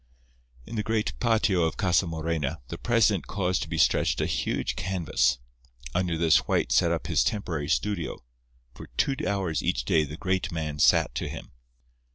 In the great patio of Casa Morena, the president caused to be stretched a huge canvas. Under this White set up his temporary studio. For two hours each day the great man sat to him.